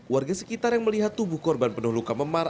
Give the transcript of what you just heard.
warga sekitar yang melihat tubuh korban penuh luka memar